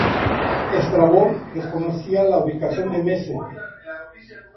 Estrabón desconocía la ubicación de Mese.